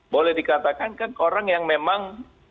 boleh dikatakan kan orang yang memang